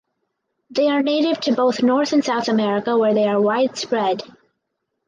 They are native to both North and South America where they are widespread.